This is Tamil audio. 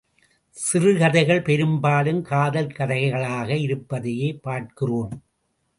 சிறுகதைகள் பெரும்பாலும் காதல் கதைகளாக இருப்பதையே பார்க்கிறோம்.